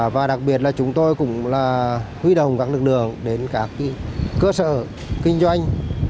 và đặc biệt là chúng tôi cũng huy động các lực lượng đến các cơ sở kinh doanh